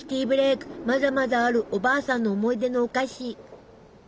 まだまだあるおばあさんの思い出のお菓子！